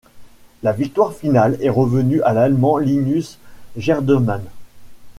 La victoire finale est revenue à l'Allemand Linus Gerdemann.